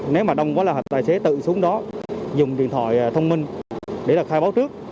nếu mà đông quá là tài xế tự xuống đó dùng điện thoại thông minh để khai báo trước